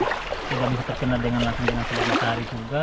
itu bisa terkena dengan langsung dengan selama sehari juga